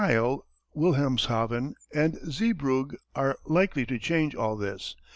_] But Kiel, Wilhelmshaven and Zeebrugge are likely to change all this.